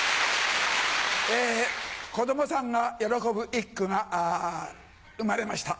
子供さんが喜ぶ一句が生まれました。